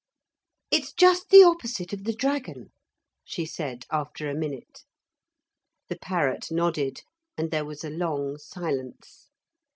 'It's just the opposite of the dragon,' she said after a minute. The parrot nodded and there was a long silence.